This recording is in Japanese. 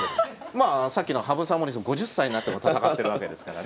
まあさっきの羽生さん森内さんも５０歳になっても戦ってるわけですからね。